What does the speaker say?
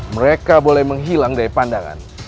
mereka boleh menghilang dari pandangan